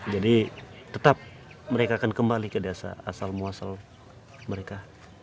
tetap mereka akan kembali ke desa asal muasal mereka